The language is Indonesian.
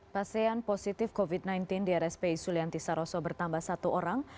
pasien positif covid sembilan belas di rspi sulianti saroso bertambah satu orang